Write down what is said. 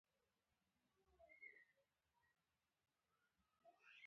د مرهټیانو ږغ هم یو شوی دی.